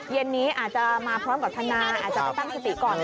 เย็นนี้อาจจะมาพร้อมกับทนายอาจจะไปตั้งสติก่อน